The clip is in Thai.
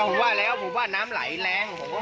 ผมว่าแล้วผมว่าน้ำไหลแรง